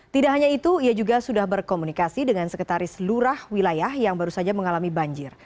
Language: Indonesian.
tidak hanya itu ia juga sudah berkomunikasi dengan sekretaris lurah wilayah yang baru saja mengalami banjir